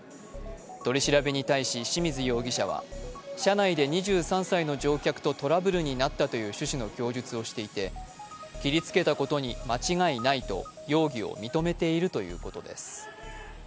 取り調べに対し清水容疑者は車内で２３歳の乗客とトラブルになったという趣旨の供述をしていて切りつけたことに間違いないと容疑を認めているということです。